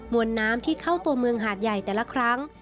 วนน้ำที่เข้าตัวเมืองหาดใหญ่แต่ละครั้ง